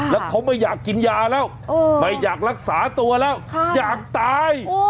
แล้วเขาไม่อยากกินยาแล้วไม่อยากรักษาตัวแล้วอยากตาย